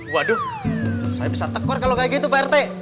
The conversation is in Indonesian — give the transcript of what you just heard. waduh saya bisa tekor kalo kayak gitu pak rt